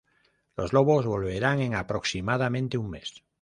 Los lobos volverán en aproximadamente un mes.